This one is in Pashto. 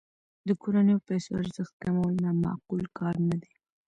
د کورنیو پیسو ارزښت کمول نا معقول کار نه دی.